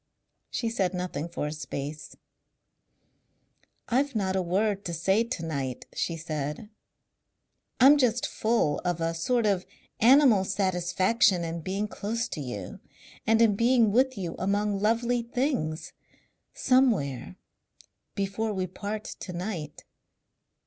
She said nothing for a space. "I've not a word to say to night," she said. "I'm just full of a sort of animal satisfaction in being close to you.... And in being with you among lovely things.... Somewhere Before we part to night